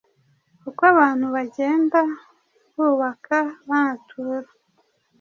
uko abantu bagenda bubaka banatura,